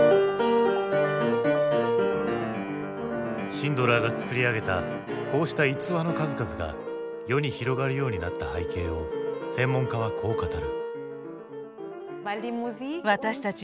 シンドラーが作り上げたこうした逸話の数々が世に広がるようになった背景を専門家はこう語る。